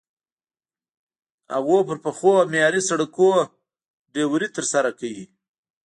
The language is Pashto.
هغوی پر پخو او معیاري سړکونو ډریوري ترسره کوي.